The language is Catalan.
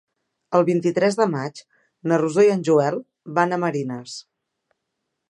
El vint-i-tres de maig na Rosó i en Joel van a Marines.